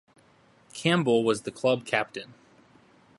Campbell was the club captain.